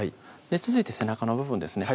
続いて背中の部分ですね